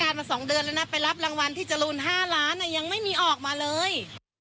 มา๒เดือนแล้วนะไปรับรางวัลพี่จรูน๕ล้านยังไม่มีออกมาเลย